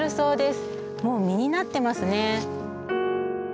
もう実になってますね。